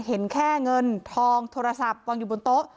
เห็นแค่เงินทองโทรศัพท์วางอยู่บนโต๊ะ